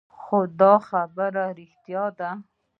خو دا خبره رښتيا ده.